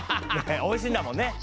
おいしいんだもんねっ。